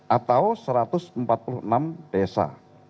atau satu ratus empat puluh enam desa